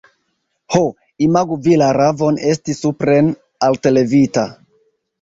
Ho, imagu vi la ravon esti supren altlevita!